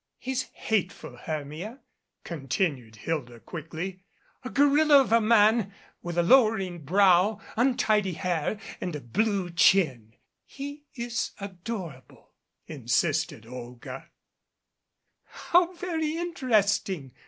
"He's hateful, Hermia," continued Hilda quickly, "a gorilla of a man, with a lowering brow, untidy hair, and a blue chin " "He is adorable," insisted Olga. "How very interesting